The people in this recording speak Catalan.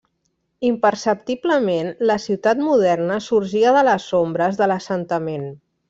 Imperceptiblement, la ciutat moderna sorgia de les ombres de l'assentament.